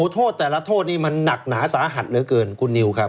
โทษแต่ละโทษนี้มันหนักหนาสาหัสเหลือเกินคุณนิวครับ